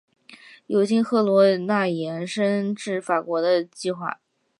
有经赫罗纳延伸至法国的计划。